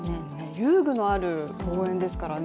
遊具もある公園ですからね